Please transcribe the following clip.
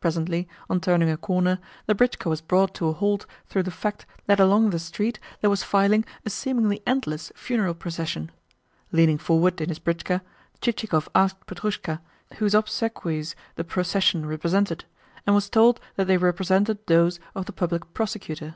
Presently, on turning a corner, the britchka was brought to a halt through the fact that along the street there was filing a seemingly endless funeral procession. Leaning forward in his britchka, Chichikov asked Petrushka whose obsequies the procession represented, and was told that they represented those of the Public Prosecutor.